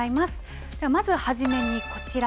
まず初めにこちら。